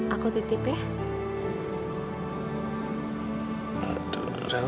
aku titip ya